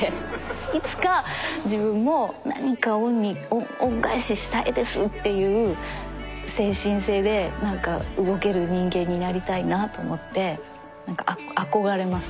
いつか自分も何か恩返ししたいですっていう精神性で何か動ける人間になりたいなと思って何か憧れます